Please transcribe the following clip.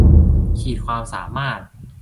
ขีดความสามารถ